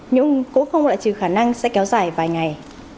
nhưng cũng không lại trừ khả năng sẽ kéo dài vài ngày